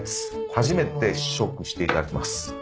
初めて試食していただきます。